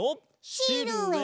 シルエット！